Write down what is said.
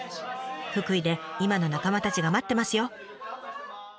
福井で今の仲間たちが待ってますよ！